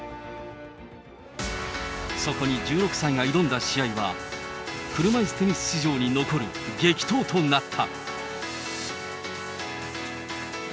そこに１６歳が挑んだ試合は、車いすテニス史上に残る激闘となった。